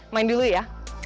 main dulu ya